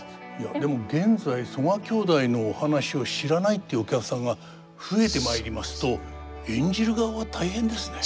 でも現在曽我兄弟のお話を知らないっていうお客さんが増えてまいりますと演じる側は大変ですね。